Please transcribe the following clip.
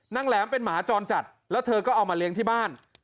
แหลมเป็นหมาจรจัดแล้วเธอก็เอามาเลี้ยงที่บ้าน